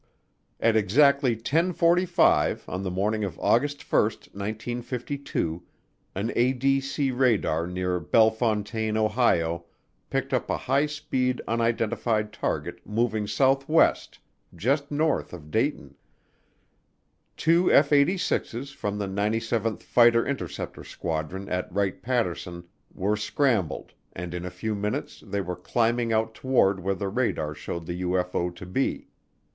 At exactly ten forty five on the morning of August 1, 1952, an ADC radar near Bellefontaine, Ohio, picked up a high speed unidentified target moving southwest, just north of Dayton. Two F 86's from the 97th Fighter Interceptor Squadron at Wright Patterson were scrambled and in a few minutes they were climbing out toward where the radar showed the UFO to be.